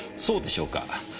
そうでしょうか？